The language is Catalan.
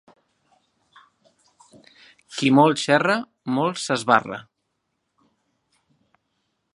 Qui molt xerra, molt s'esbarra.